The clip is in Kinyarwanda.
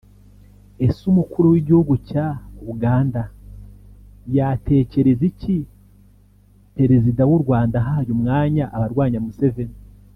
Ese umukuru w’igihugu cya Uganda yatekereza iki perezida w’u Rwanda ahaye umwanya abarwanya Museveni